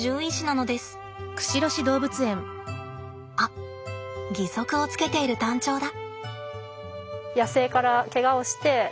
あっ義足をつけているタンチョウだ。